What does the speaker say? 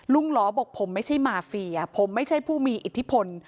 หลอบอกผมไม่ใช่มาเฟียผมไม่ใช่ผู้มีอิทธิพล